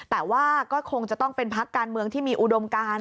แต่ว่าก็คงจะต้องเป็นพักการเมืองที่มีอุดมการ